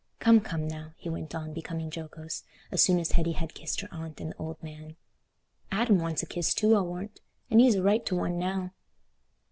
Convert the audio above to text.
Come, come, now," he went on, becoming jocose, as soon as Hetty had kissed her aunt and the old man, "Adam wants a kiss too, I'll warrant, and he's a right to one now."